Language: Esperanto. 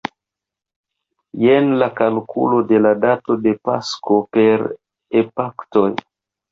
Jen la kalkulo de la dato de Pasko per epaktoj.